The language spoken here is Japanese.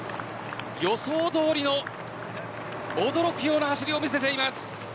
予想どおりの驚くような走りを見せています。